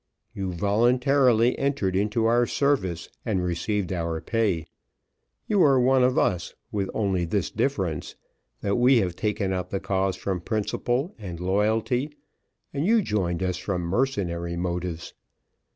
You voluntarily entered into our service, and received our pay. You were one of us, with only this difference, that we have taken up the cause from principle and loyalty, and you joined us from mercenary motives.